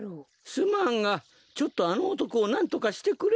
すまんがちょっとあのおとこをなんとかしてくれんか？